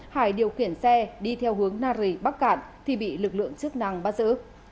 hải điều khiển xe đi theo hướng nari bắt cản thì bị lực lượng chức năng bắt giữ